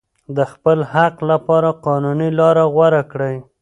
د خپل حق لپاره قانوني لاره غوره کړئ.